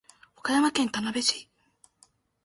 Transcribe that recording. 和歌山県田辺市